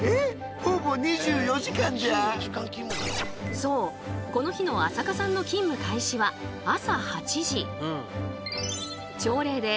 そうこの日の朝香さんの勤務開始は朝８時。